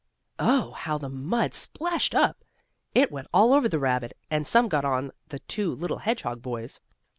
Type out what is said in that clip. Oh! How the mud splashed up! It went all over the rabbit, and some got on the two little hedgehog boys.